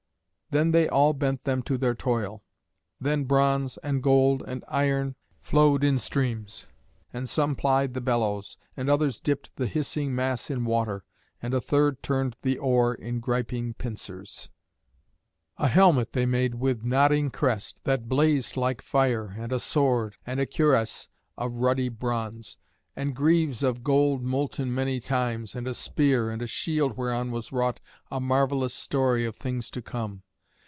Then they all bent them to their toil. Then bronze, and gold, and iron flowed in streams; and some plied the bellows, and others dipped the hissing mass in water, and a third turned the ore in griping pincers. [Illustration: VULCAN AND THE CYCLOPÉS.] A helmet they made with nodding crest, that blazed like fire, and a sword, and a cuirass of ruddy bronze, and greaves of gold molten many times, and a spear, and a shield whereon was wrought a marvellous story of things to come.